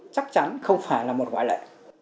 chắc chắn không phải là một quả lệ